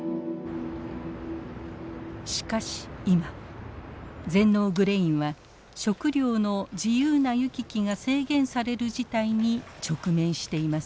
しかし今全農グレインは食料の自由な行き来が制限される事態に直面しています。